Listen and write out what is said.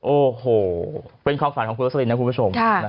โอ้โหเป็นความฝันของคุณลักษณีย์นะครับคุณผู้ชม